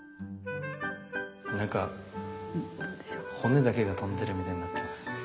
なんか骨だけが飛んでるみたいになってます。